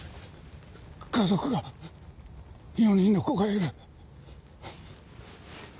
家族が４人の子がいる。